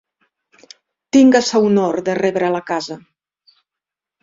Tingues a honor de rebre'l a casa.